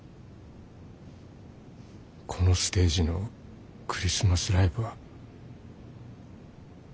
このステージのクリスマスライブは。